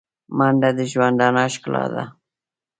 منډه د ژوندانه ښکلا ده